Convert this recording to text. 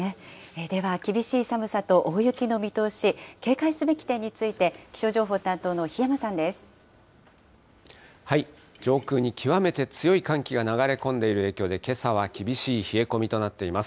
では、厳しい寒さと大雪の見通し、警戒すべき点について、気象情報上空に極めて強い寒気が流れ込んでいる影響で、けさは厳しい冷え込みとなっています。